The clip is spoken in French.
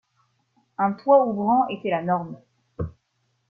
Un toit ouvrant était la norme.